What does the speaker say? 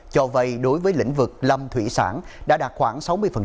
cho vây đối với lĩnh vực lâm thủy sản đã đạt khoảng sáu mươi